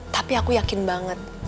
tapi aku yakin banget